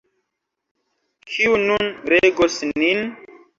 Kiu nun regos nin?